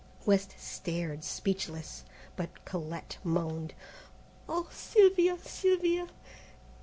West stared speechless, but Colette moaned, "Oh, Sylvia! Sylvia!